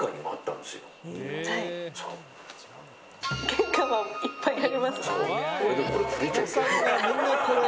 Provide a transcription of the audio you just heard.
玄関はいっぱいありますね。